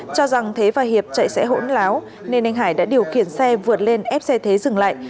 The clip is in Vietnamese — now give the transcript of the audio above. cho rằng thế và hiệp chạy sẽ hỗn láo nên anh hải đã điều khiển xe vượt lên ép xe thế dừng lại